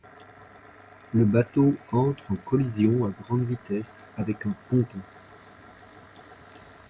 Le bateau entre en collision à grande vitesse avec un ponton.